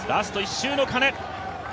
ラスト１周の鐘。